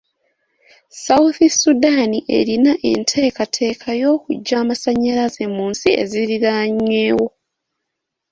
Sounth Sudan erina enteekateeka y'okuggya amasannyalaze mu nsi eziriraanyeewo.